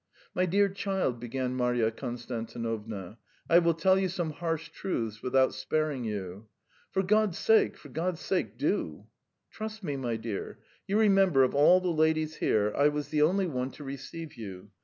"My dear child," began Marya Konstantinovna, "I will tell you some harsh truths, without sparing you." "For God's sake, for God's sake, do!" "Trust me, my dear. You remember of all the ladies here, I was the only one to receive you.